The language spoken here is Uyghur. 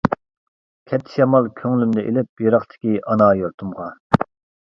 كەتتى شامال كۆڭلۈمنى ئېلىپ، يىراقتىكى ئانا يۇرتۇمغا.